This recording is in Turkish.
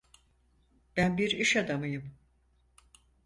Ben bir işadamıyım.